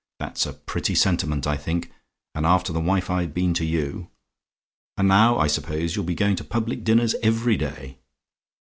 That's a pretty sentiment, I think; and after the wife I've been to you. And now I suppose you'll be going to public dinners every day!